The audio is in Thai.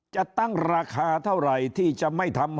จะตั้งราคาเท่าไหร่ที่จะไม่ทำ